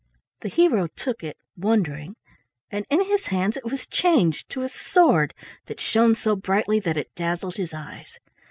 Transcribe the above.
The hero took it wondering, and in his hands it was changed to a sword that shone so brightly that it dazzled his eyes.